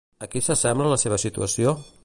A qui s'assembla la seva situació?